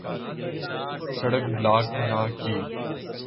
سڑک بلاک نہ کی۔